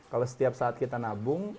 kalau setiap saat kita nabung